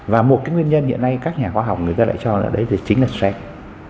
và một cái nguyên nhân hiện nay các nhà khoa học người ta lại cho là đấy thì chính là stech